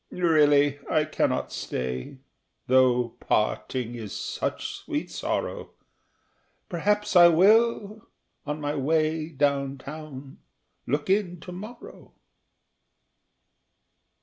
Really, I cannot stay, though "parting is such sweet sorrow" ... Perhaps I will, on my way down town, look in to morrow!